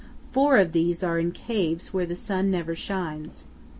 Four of these are in caves where the sun never shines.